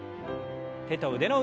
手と腕の運動から。